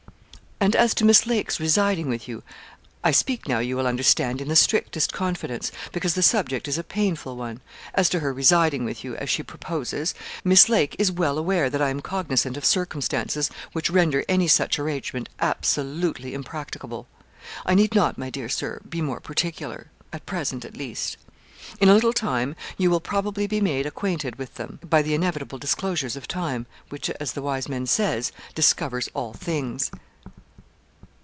'And as to Miss Lake's residing with you I speak now, you will understand, in the strictest confidence, because the subject is a painful one; as to her residing with you, as she proposes, Miss Lake is well aware that I am cognizant of circumstances which render any such arrangement absolutely impracticable. I need not, my dear Sir, be more particular at present, at least. In a little time you will probably be made acquainted with them, by the inevitable disclosures of time, which, as the wise man says, "discovers all things."'